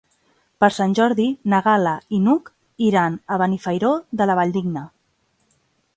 Per Sant Jordi na Gal·la i n'Hug iran a Benifairó de la Valldigna.